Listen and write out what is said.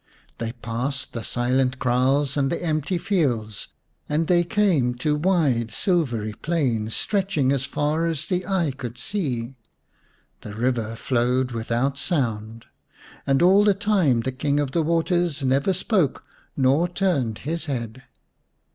They passed the silent kraals and the empty fields, and then they came to wide silvery plains stretching as far as eye could see. The river flowed without sound. And all the time the King of the Waters never spoke nor turned his head.